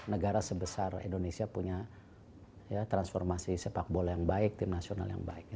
negara sebesar indonesia punya transformasi sepak bola yang baik tim nasional yang baik